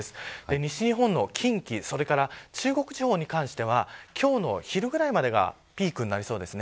西日本の近畿それに中国地方に関しては今日の昼ぐらいまでがピークになりそうですね。